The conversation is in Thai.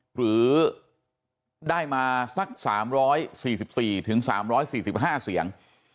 หรือได้มาสัก๓๔๔๓๔๕เสียง